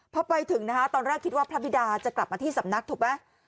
พอไปถึงนะฮะตอนแรกคิดว่าพระบิดาจะกลับมาที่สำนักถูกไหม